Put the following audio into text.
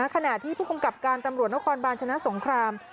ขณะที่ผู้กำกับการตำรวจนครบาลชนะสงคราม